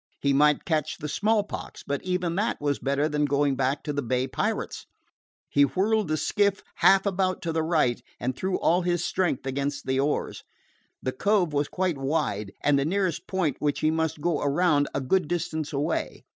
He might catch the smallpox, but even that was better than going back to the bay pirates. He whirled the skiff half about to the right, and threw all his strength against the oars. The cove was quite wide, and the nearest point which he must go around a good distance away.